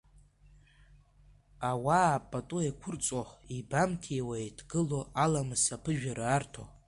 Ауаа пату еиқәырҵо, еибамҭиуа, еидгыло, Аламыс аԥыжәара арҭо…